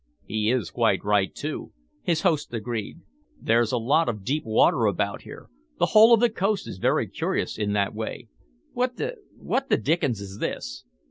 "He is quite right, too," his host agreed. "There's a lot of deep water about here. The whole of the coast is very curious in that way. What the what the dickens is this?"